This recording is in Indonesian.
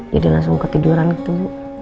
jadi langsung ketiduran gitu